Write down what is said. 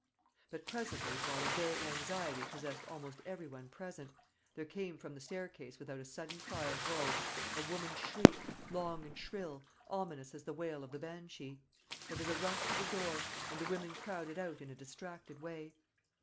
But presently, while a vague anxiety possessed almost every one present, there came from the staircase without a sudden cry of woe a woman's shriek, long and shrill, ominous as the wail of the banshee. There was a rush to the door, and the women crowded out in a distracted way.